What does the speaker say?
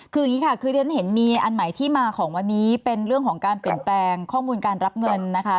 คืออย่างนี้ค่ะคือเรียนเห็นมีอันใหม่ที่มาของวันนี้เป็นเรื่องของการเปลี่ยนแปลงข้อมูลการรับเงินนะคะ